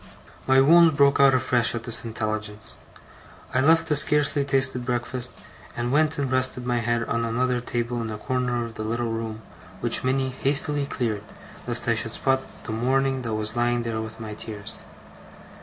My wounds broke out afresh at this intelligence. I left the scarcely tasted breakfast, and went and rested my head on another table, in a corner of the little room, which Minnie hastily cleared, lest I should spot the mourning that was lying there with my tears.